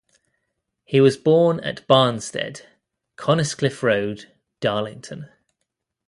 He was born at Barnstead, Coniscliffe Road, Darlington.